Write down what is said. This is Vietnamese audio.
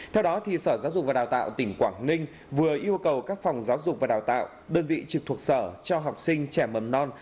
theo đó sở giáo dục và đào tạo tỉnh quảng ninh vừa yêu cầu các phòng giáo dục và đào tạo đơn vị trực thuộc sở cho học sinh trẻ mầm non